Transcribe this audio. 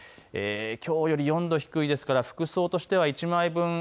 きょうより４度低いですから服装としては１枚分。